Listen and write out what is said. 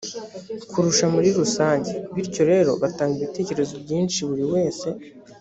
kurusha muri rusange bityo rero batanga ibitekerezo byinshi buri wese